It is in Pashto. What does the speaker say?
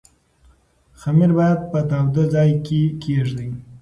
خمیر باید په تاوده ځای کې کېږدئ.